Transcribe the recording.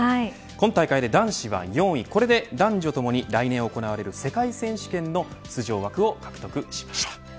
今大会男子は４位これで男女ともに来年行われる世界選手権の出場枠を獲得しました。